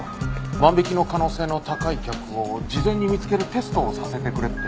万引きの可能性の高い客を事前に見つけるテストをさせてくれって。